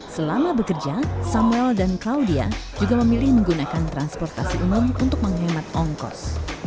selama bekerja samuel dan claudia juga memilih menggunakan transportasi umum untuk menghemat ongkos